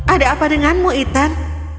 ada apa denganmu ethan